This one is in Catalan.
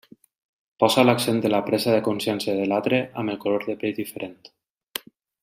Posa l'accent en la presa de consciència de l'altre amb el color de pell diferent.